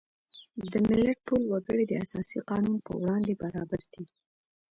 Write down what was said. د ملت ټول وګړي د اساسي قانون په وړاندې برابر دي.